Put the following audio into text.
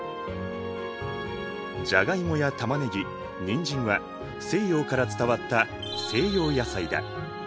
じゃがいもやたまねぎにんじんは西洋から伝わった西洋野菜だ。